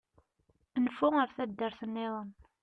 Nfu ar taddart-nniḍen.